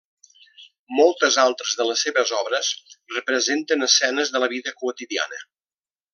Moltes altres de les seves obres representen escenes de la vida quotidiana.